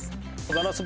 ガラス